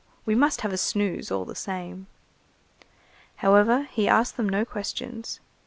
we must have a snooze all the same." However, he asked them no questions.